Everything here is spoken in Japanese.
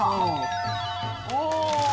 お！